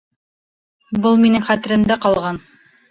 Был минең хәтеремдә ҡалған